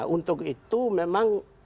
untuk itu memang